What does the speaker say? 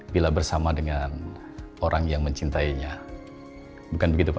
bila bersama dengan orang yang mencintainya bukan gitu pak